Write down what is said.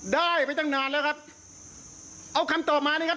ได้ไปตั้งนานแล้วครับเอาคำตอบมานะครับ